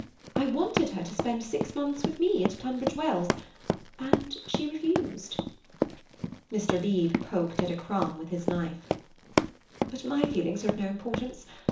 I wanted her to spend six months with me at Tunbridge Wells, and she refused." Mr. Beebe poked at a crumb with his knife. "But my feelings are of no importance.